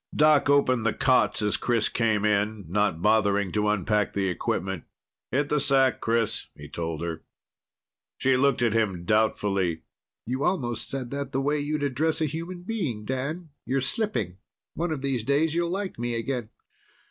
Doc opened the cots as Chris came in, not bothering to unpack the equipment. "Hit the sack, Chris," he told her. She looked at him doubtfully. "You almost said that the way you'd address a human being, Dan. You're slipping. One of these days you'll like me again."